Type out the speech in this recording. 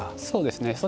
そうですね。